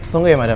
tunggu ya madam